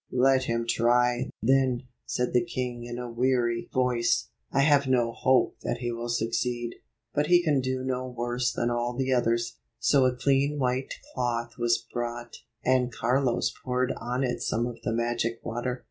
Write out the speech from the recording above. " Let him try, then," said the king in a weary 158 J 59 voice. " I have no hope that he will succeed, but he can do no worse than all the others." So a clean white cloth was brought, and Carlos poured on it some of the magic water.